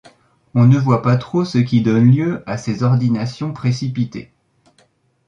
On ne voit pas trop ce qui donne lieu à ces ordinations précipitées.